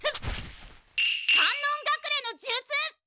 観音隠れの術！